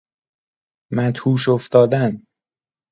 مدهوش افتادن